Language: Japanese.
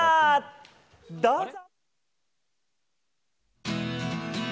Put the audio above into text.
どうぞ！